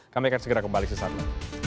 kami akan segera kembali ke sana